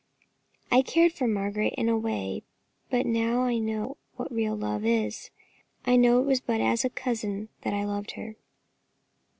I had cared for Margaret in a way, but now that I know what real love is, I know it was but as a cousin that I loved her."